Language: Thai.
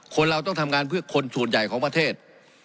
เราต้องทำงานเพื่อคนส่วนใหญ่ของประเทศ